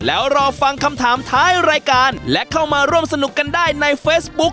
แล้วรอฟังคำถามท้ายรายการและเข้ามาร่วมสนุกกันได้ในเฟซบุ๊ค